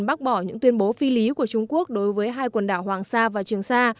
bác bỏ những tuyên bố phi lý của trung quốc đối với hai quần đảo hoàng sa và trường sa